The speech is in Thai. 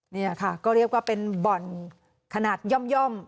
นี่ค่ะก็เรียกว่าเป็นบ่อนขนาดย่อม